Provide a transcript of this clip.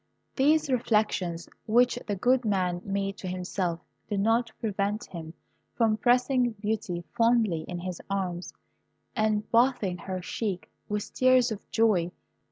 These reflections, which the good man made to himself, did not prevent him from pressing Beauty fondly in his arms, and bathing her cheek with tears of joy.